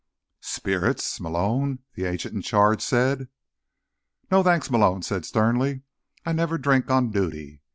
"Spirits, Malone?" the agent in charge said. "No, thanks," Malone said sternly. "I never drink on duty."